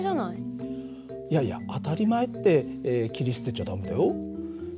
いやいや当たり前って切り捨てちゃ駄目だよ。